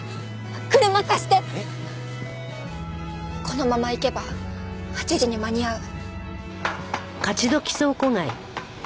このまま行けば８時に間に合う。